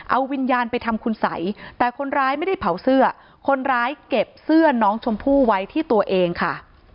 เอาวิญญาณไปทำคุณสัยแต่คนร้ายไม่ได้เผาเสื้อคนร้ายเก็บเสื้อน้องชมพู่ไว้ที่ตัวเองค่ะ